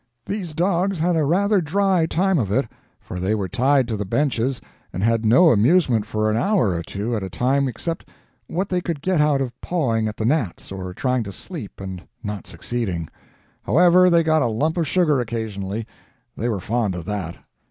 These dogs had a rather dry time of it; for they were tied to the benches and had no amusement for an hour or two at a time except what they could get out of pawing at the gnats, or trying to sleep and not succeeding. However, they got a lump of sugar occasionally they were fond of that.